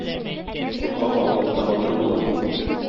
Куркак аулакта батыр була.